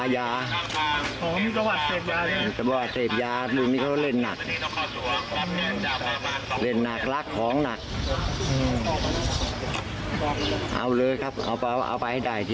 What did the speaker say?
แล้วเสียที่เก่าถ้าแรงการกระวาดอยู่